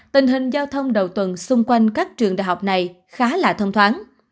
tình hình giao thông đầu tuần xung quanh các trường đại học này khá là thông thoáng